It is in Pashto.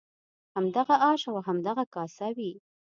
همدغه آش او همدغه کاسه وي.